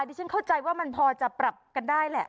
ที่ฉันเข้าใจว่ามันพอจะปรับกันได้แหละ